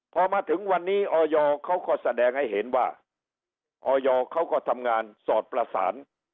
พอมาถึงวันนี้ออยเขาก็แสดงให้เห็นว่าออยเขาก็ทำงานสอดประสาน